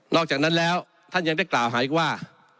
อกจากนั้นแล้วท่านยังได้กล่าวหาอีกว่า